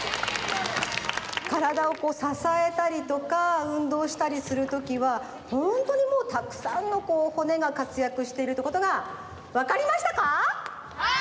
カラダをこうささえたりとか運動したりするときはホントにもうたくさんのこう骨がかつやくしてるってことがわかりましたか？